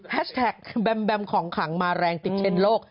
แท็กแบมแบมของขลังมาแรงติดเทนโลก